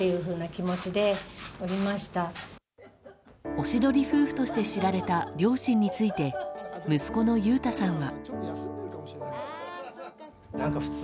おしどり夫婦として知られた両親について息子の裕太さんは。